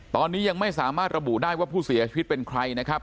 ตอนนี้ยังไม่สามารถระบุได้ว่าผู้เสียชีวิตเป็นใครนะครับ